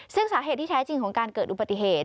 ซึ่งสาเหตุที่แท้จริงของการเกิดอุบัติเหตุ